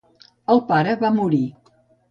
El pare va morir.